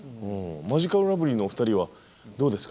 マヂカルラブリーのお二人はどうですか？